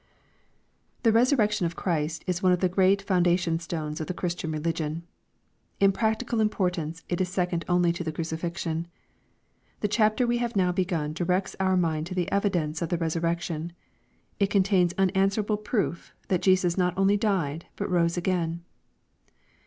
Thk resurrection of Christ is one of the great foundation 1/ stones of t^ Christian religion. In practical importance it is second only to the crucifixion. The chapter we have now begun directs our mind to the evidence of the resur rection. It contains unanswerable proof that Jesus not only died, but rose again.